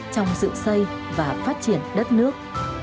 trong sự xây và phát triển đất nước